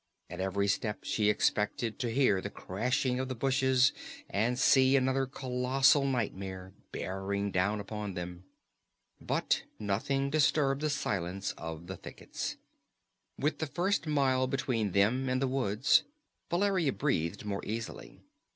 At every step she expected to hear the crashing of the bushes and see another colossal nightmare bearing down upon them. But nothing disturbed the silence of the thickets. With the first mile between them and the woods, Valeria breathed more easily.